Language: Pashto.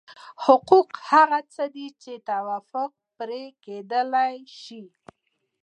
حقوق هغه څه دي چې توافق پرې کېدای شي.